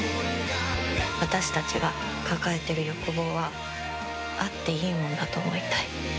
私たちが抱えている欲望はあっていいものだと思いたい。